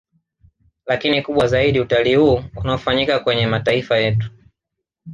Lakini kubwa zaidi utalii huu unaofanyika kwenye mataifa yetu